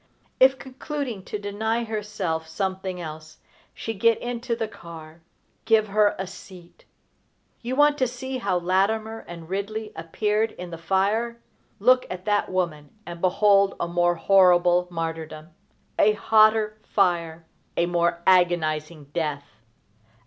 If, concluding to deny herself something else, she get into the car, give her a seat! You want to see how Latimer and Ridley appeared in the fire: look at that woman and behold a more horrible martyrdom, a hotter fire, a more agonizing death!